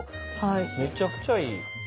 めちゃくちゃいい。